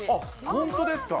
本当ですか？